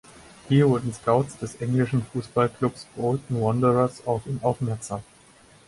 Hier wurden Scouts des englischen Fußballklubs Bolton Wanderers auf ihn aufmerksam.